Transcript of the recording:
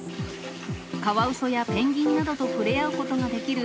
カワウソやペンギンなどと触れ合うことができる